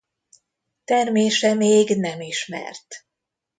Termése még nem ismert.